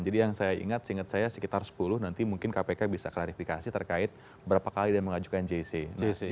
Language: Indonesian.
jadi yang saya ingat seingat saya sekitar sepuluh nanti mungkin kpk bisa klarifikasi terkait berapa kali dia mengajukan jsts